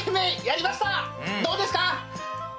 どうですか？